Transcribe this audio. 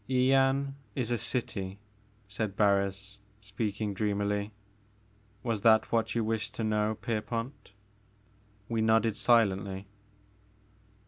Yian is a city," said Barris, speaking dream ily ; "was that what you wished to know, Pier pont?" We nodded silently.